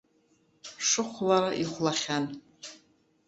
Шыхәлара ихәлахьан.